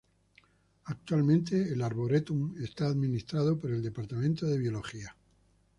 Actualmente el arboretum está administrado por el departamento de biología.